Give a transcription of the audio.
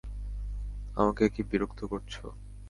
আমাকে কি বিরক্ত করছ?